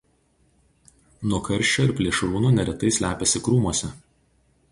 Nuo karščio ir plėšrūnų neretai slepiasi krūmuose.